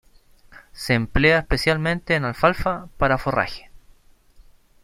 Se emplea especialmente en alfalfa para forraje.